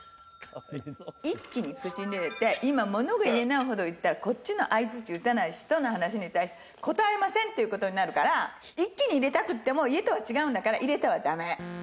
一気に口に入れて今ものが言えないほど入れたらこっちの相づち打たない人の話に対して答えませんっていう事になるから一気に入れたくても家とは違うんだから入れてはダメ。